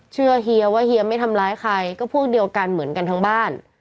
เฮียว่าเฮียไม่ทำร้ายใครก็พวกเดียวกันเหมือนกันทั้งบ้าน